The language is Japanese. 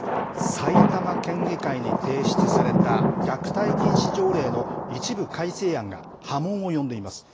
埼玉県議会に提出された虐待禁止条例の一部改正案が波紋を呼んでいます。